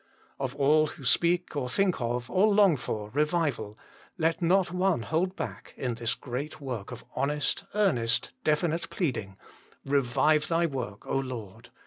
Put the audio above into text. Of all who speak or think of, or long for, revival, let not one hold back in this great work of honest, earnest, definite pleading: Revive Thy work, Lord